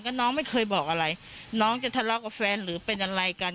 ก็น้องไม่เคยบอกอะไรน้องจะทะเลาะกับแฟนหรือเป็นอะไรกัน